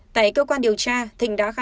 tại cơ quan điều tra thịnh đã khai trọng